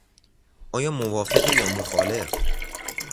آیا موافقی یا مخالف؟